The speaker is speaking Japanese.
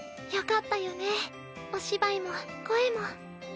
よかったよねお芝居も声も。